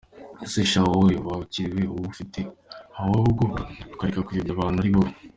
Ese sha wowe wakwiririye uwo ufite ahubwo ukareka kuyobya abantu ari wowe?!.